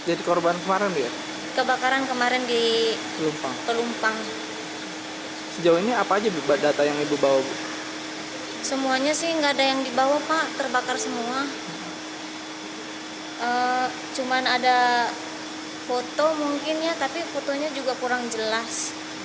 ada foto mungkin ya tapi fotonya juga kurang jelas